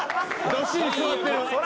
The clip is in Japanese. どっしり座ってる。